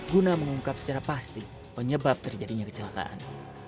guna mengungkap secara pasti penyebab terjadinya kecelakaan